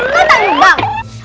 kau tak ambil bank